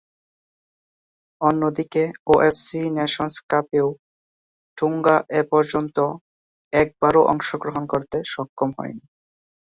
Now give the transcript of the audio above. অন্যদিকে, OFC nations কাপেও Tonga এপর্যন্ত একবারও অংশগ্রহণ করতে সক্ষম হয়নি।